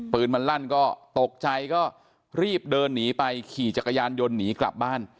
ปืนมันลั่นก็ตกใจก็รีบเดินหนีไปขี่จักรยานยนต์หนีกลับบ้าน